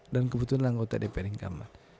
dan kebetulan anggota dpr yang keamat